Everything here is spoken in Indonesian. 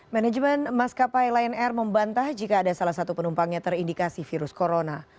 manajemen maskapai lion air membantah jika ada salah satu penumpang yang terindikasi virus corona